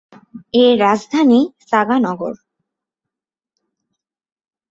এর রাজধানী সাগা নগর।